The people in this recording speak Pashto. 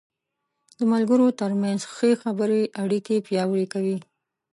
د ملګرو تر منځ ښه خبرې اړیکې پیاوړې کوي.